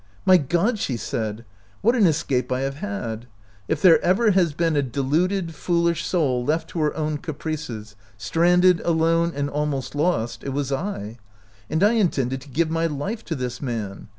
"My God !" she said, " what an escape I have had ! If there ever has been a deluded, foolish soul left to her own caprices, stranded, alone, and almost lost, it was I. And I intended to give my life to this man